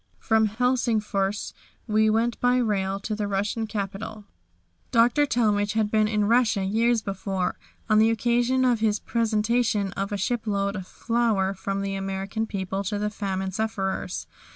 From Helsingfors we went by rail to the Russian capital. Dr. Talmage had been in Russia years before, on the occasion of his presentation of a shipload of flour from the American people to the famine sufferers.